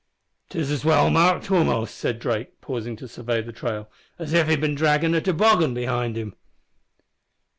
"'Tis as well marked, a'most" said Drake, pausing to survey the trail, "as if he'd bin draggin' a toboggan behind him."